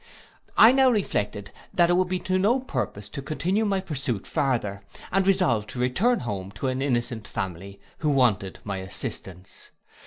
I now reflected that it would be to no purpose to continue my pursuit farther, and resolved to return home to an innocent family, who wanted my assistance.